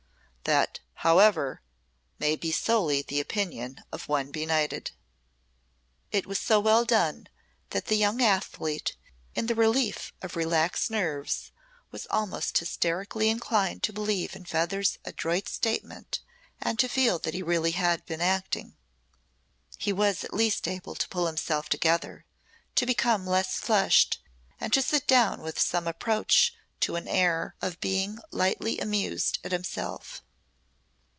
"That however may be solely the opinion of one benighted." It was so well done that the young athlete, in the relief of relaxed nerves, was almost hysterically inclined to believe in Feather's adroit statement and to feel that he really had been acting. He was at least able to pull himself together, to become less flushed and to sit down with some approach to an air of being lightly amused at himself.